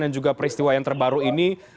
dan juga peristiwa yang terbaru ini